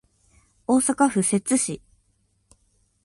大阪府摂津市